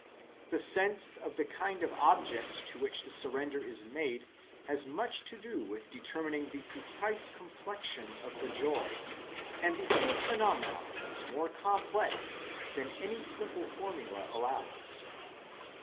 The sense of the kind of object to which the surrender is made has much to do with determining the precise complexion of the joy; and the whole phenomenon is more complex than any simple formula allows.